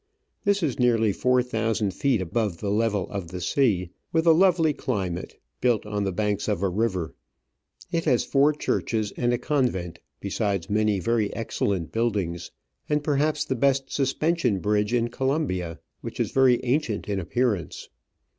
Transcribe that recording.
This is nearly four thousand feet above the level of the sea, with a lovely climate, built on the banks of a river ; it has four churches and a convent, besides many very excellent buildings, and perhaps the best suspension bridge in Colombia, which is very ancient in appearance.